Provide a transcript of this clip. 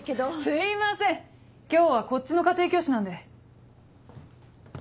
すいません今日はこっちの家庭教師なんで。